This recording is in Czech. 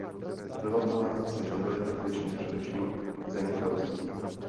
Obyvatelé se živili tradičně především zemědělstvím.